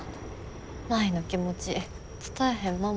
舞の気持ち伝えへん